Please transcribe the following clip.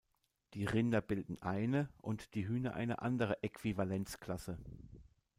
Die Rinder bilden eine und die Hühner eine andere Äquivalenzklasse.